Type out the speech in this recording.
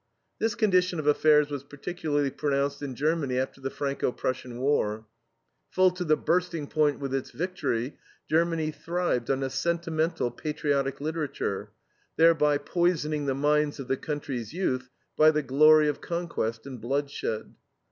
This condition of affairs was particularly pronounced in Germany after the Franco German war. Full to the bursting point with its victory, Germany thrived on a sentimental, patriotic literature, thereby poisoning the minds of the country's youth by the glory of conquest and bloodshed.